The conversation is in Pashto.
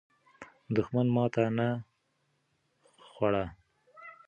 دښمن ماته نه خوړه.